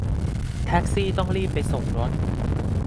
แท็กซี่ต้องรีบไปส่งรถ